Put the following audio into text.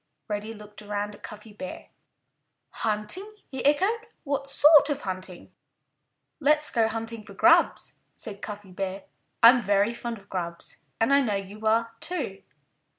Reddy looked around at Cuffy Bear. "Hunting!" he echoed. "What sort of hunting?" "Let's go hunting for grubs!" said Cuffy Bear. "I'm very fond of grubs. And I know you are, too."